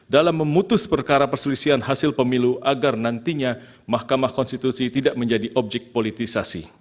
dalam memutus perkara perselisihan hasil pemilu agar nantinya mahkamah konstitusi tidak menjadi objek politisasi